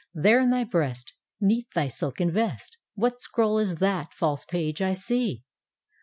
There in thy breast, 'Neath thy silken rest, What scroll is that, false Page, I see?"